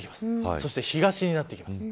そして東になってきます。